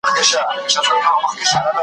ړوند په څراغ څه کوي